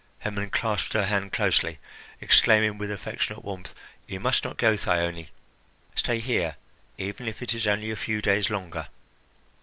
Hermon clasped her hand closely, exclaiming with affectionate warmth: "You must not go, Thyone! Stay here, even if it is only a few days longer."